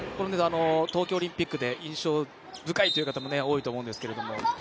東京オリンピックで印象深いという方も多いと思うんですが。